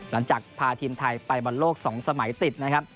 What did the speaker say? หลังจากพาทีมไทยไปบอลโลก๒สมัยติดนะครับ